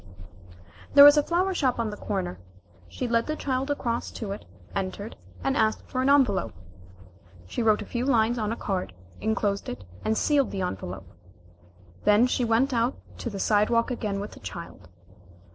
There was a flower shop on the corner. She led the child across to it, entered, and asked for an envelope. She wrote a few lines on a card, enclosed it and sealed the envelope. Then she went out to the side walk again with the child.